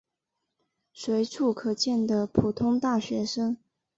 随处可见的普通大学生。